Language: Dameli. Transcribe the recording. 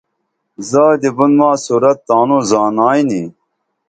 زادی بُن ما صورت تانوں زانائیں نی